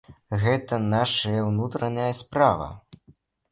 Гэта нашая ўнутраная справа.